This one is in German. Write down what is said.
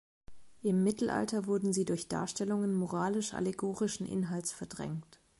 Im Mittelalter wurden sie durch Darstellungen moralisch-allegorischen Inhalts verdrängt.